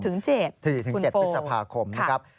ถึง๗คุณโฟร์ค่ะคุณโฟร์